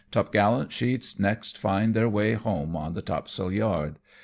Topgallant sheets next find their way home on the topsail yard.